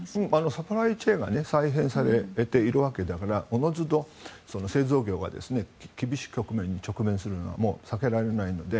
サプライチェーンは再編されているわけだからおのずと製造業が厳しい局面に直面するのはもう避けられないので。